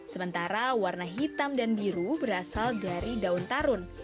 sementara warna hitam dan biru berasal dari daun tarun